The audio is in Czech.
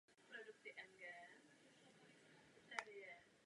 Nemůžeme si dovolit zklamat moldavský lid.